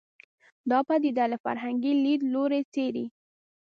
دا پدیده له فرهنګي لید لوري څېړي